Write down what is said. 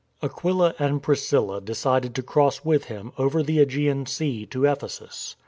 Aquila and Priscilla decided to cross with him over the .^gean Sea to Ephesus.